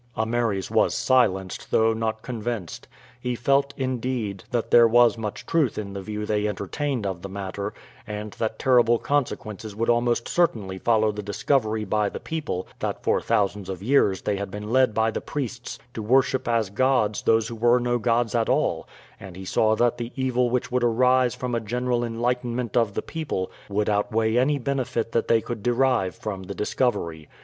Ameres was silenced, though not convinced. He felt, indeed, that there was much truth in the view they entertained of the matter, and that terrible consequences would almost certainly follow the discovery by the people that for thousands of years they had been led by the priests to worship as gods those who were no gods at all, and he saw that the evil which would arise from a general enlightenment of the people would outweigh any benefit that they could derive from the discovery.